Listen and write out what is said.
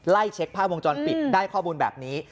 เช็คภาพวงจรปิดได้ข้อมูลแบบนี้